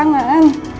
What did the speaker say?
pegangan sama aku